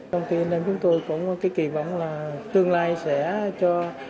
công ty anh em chúng tôi cũng có cái kỳ vọng là tương lai sẽ cho